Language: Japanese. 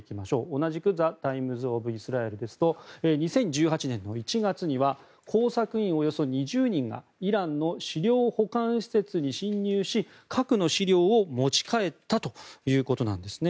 同じくザ・タイムズ・オブ・イスラエルですと２０１８年１月には工作員およそ２０人がイランの資料保管施設に侵入し核の資料を持ち帰ったということなんですね。